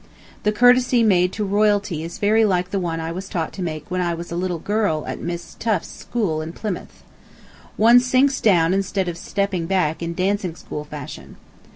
The courtesy made to royalty is very like the one I was taught to make when a little girl at Miss Tuft's school in Plymouth. One sinks down instead of stepping back in dancing school fashion.